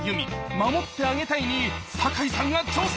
「守ってあげたい」に坂井さんが挑戦！